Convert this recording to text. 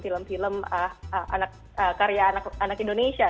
film film karya anak indonesia